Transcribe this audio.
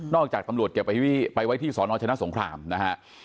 จากตำรวจเก็บไปไว้ที่สอนอชนะสงครามนะฮะ